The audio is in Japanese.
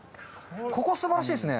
ここ素晴らしいですね。